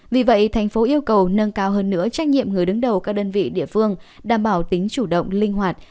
vì vậy thành phố yêu cầu nâng cao hơn nữa trách nhiệm người đứng đầu các đơn vị địa phương đảm bảo tính chủ động linh hoạt